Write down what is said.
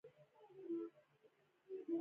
علم له واقعي ژوند سره نسبتا زیات غوټه وي.